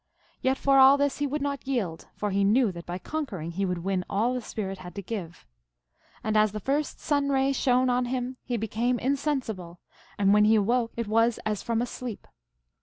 Yet for all this he would not yield, for he knew that by conquering he would win all the Spirit had to give. And as the first sun ray shone on him he became insensible, and when he awoke it was as from a sleep.